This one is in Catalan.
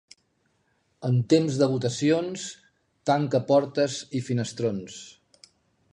En temps de votacions, tanca portes i finestrons.